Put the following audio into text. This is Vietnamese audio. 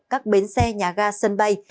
các bến xe nhà ga sân bay